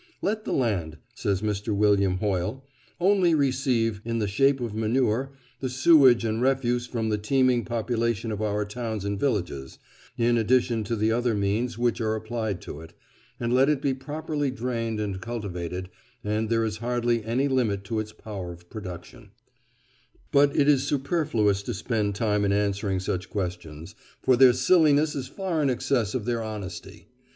"Let the land," says Mr. William Hoyle, "only receive, in the shape of manure, the sewage and refuse from the teeming population of our towns and villages, in addition to the other means which are applied to it, and let it be properly drained and cultivated, and there is hardly any limit to its power of production." Footnote 45: "Our National Resources," 1889. But it is superfluous to spend time in answering such questions, for their silliness is far in excess of their honesty.